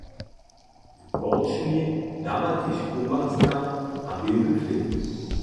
W korčmi dawa tež kołbaska a běły chlěb.